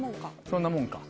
そんなもんか。